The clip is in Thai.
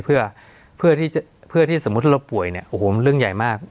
เพื่อที่สมมติถ้าเราป่วยเรื่องใหญ่มาก